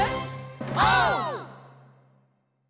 オー！